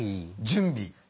準備。